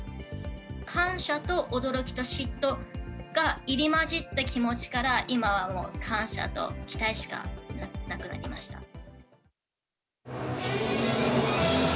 感謝と驚きと嫉妬が入り交じった気持ちから、今はもう、感謝と期待しかなくなりました。